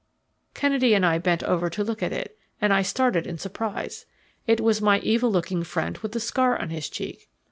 Kennedy and I bent over to look at it, and I started in surprise. It was my evil looking friend with the scar on his cheek.